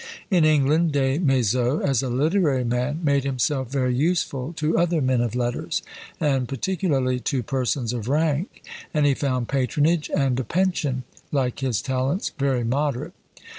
In England, Des Maizeaux, as a literary man, made himself very useful to other men of letters, and particularly to persons of rank: and he found patronage and a pension, like his talents, very moderate!